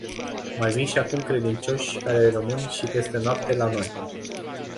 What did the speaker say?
Mai vin și acum credincioși care rămân și peste noapte la noi.